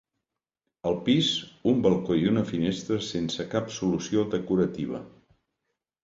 Al pis, un balcó i una finestra sense cap solució decorativa.